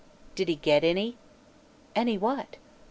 "Did he get any?" "Any what?"